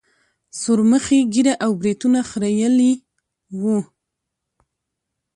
سورمخي ږيره او برېتونه خرييلي وو.